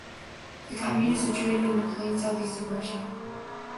The commune is situated in the plain southeast of Brescia.